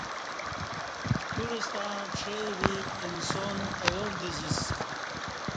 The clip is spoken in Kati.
پکیور ستݩع پݜی ویک انسان اہ یار دزیسہ